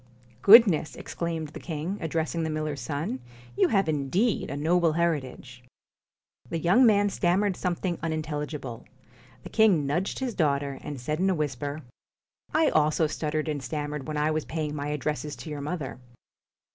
18 * Goodness!' exclaimed the king, addressing the PUSS IN miller's son, 'you have indeed a noble heritage.' BOOTS The young man stammered something unintelli gible. The king nudged his daughter, and said in a whisper :' I also stuttered and stammered when I was paying my addresses to your mother.'